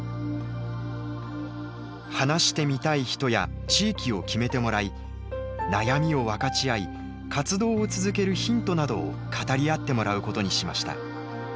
話してみたい人や地域を決めてもらい悩みを分かち合い活動を続けるヒントなどを語り合ってもらうことにしました。